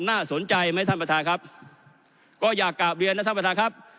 น่าสนใจไหมท่านประธานครับก็อยากกลับเรียนนะท่านประธานครับ